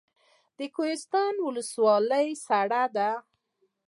د کوهستان ولسوالۍ سړه ده